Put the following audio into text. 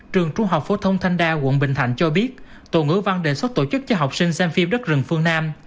trường trung học phổ thông thanh đa quận bình thạnh cho biết tổ ngữ văn đề xuất tổ chức cho học sinh xem phim đất rừng phương nam